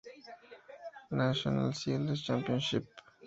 National Singles Championship".